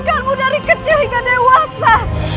kejarmu dari kecil hingga dewasa